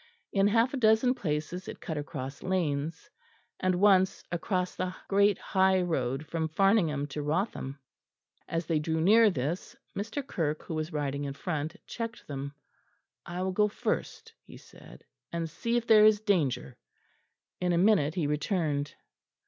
In half a dozen places it cut across lanes, and once across the great high road from Farningham to Wrotham. As they drew near this, Mr. Kirke, who was riding in front, checked them. "I will go first," he said, "and see if there is danger." In a minute he returned.